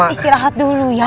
istirahat dulu ya